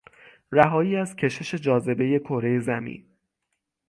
رهایی از کشش جاذبهی کرهی زمین